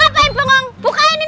bran prendong buka ini